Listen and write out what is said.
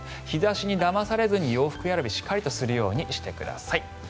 日差しにだまされずに洋服選びをしっかりとするようにしてください。